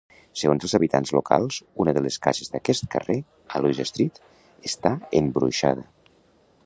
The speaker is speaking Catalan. Segons els habitants locals, una de les cases d'aquest carrer, a Louis Street, està "embruixada".